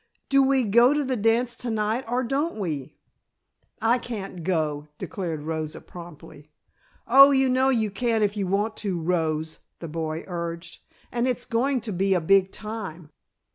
"Do we go to the dance to night or don't we?" "I can't go," declared Rosa, promptly. "Oh, you know you can if you want to, Rose," the boy urged, "and it's going to be a big time."